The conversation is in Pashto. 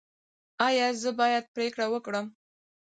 ایا زه باید پریکړه وکړم؟